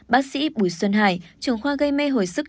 bác sĩ bùi xuân hải trường khoa gây mê hồi sức